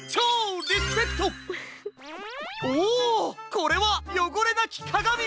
これは「よごれなきかがみ」！